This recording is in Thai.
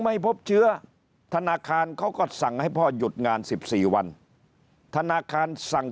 ไม่พบเชื้อธนาคารเขาก็สั่งให้พ่อหยุดงาน๑๔วันธนาคารสั่ง